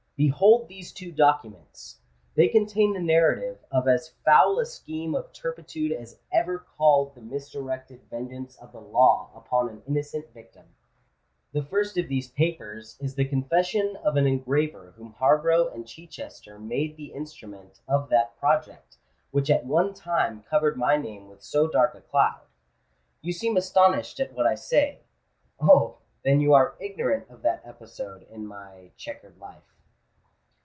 Behold these two documents! They contain the narrative of as foul a scheme of turpitude as ever called the misdirected vengeance of the law upon an innocent victim. The first of these papers is the confession of an engraver whom Harborough and Chichester made the instrument of that project which at one time covered my name with so dark a cloud. You seem astonished at what I say? Oh! then you are ignorant of that episode in my chequered life."